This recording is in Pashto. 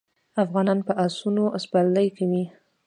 افغانان په اسونو سپرلي کوي.